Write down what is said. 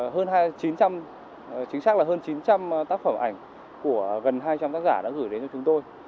hơn chín trăm linh chính xác là hơn chín trăm linh tác phẩm ảnh của gần hai trăm linh tác giả đã gửi đến cho chúng tôi